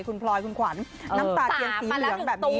คุณพลอยคุณขวัญน้ำตาเทียนสีเหลืองแบบนี้